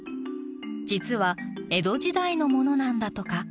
実は江戸時代のものなんだとか。